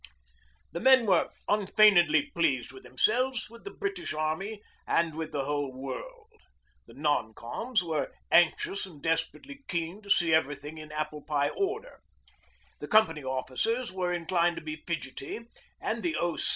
The men were unfeignedly pleased with themselves, with the British Army, and with the whole world. The non coms, were anxious and desperately keen to see everything in apple pie order. The Company officers were inclined to be fidgety, and the O.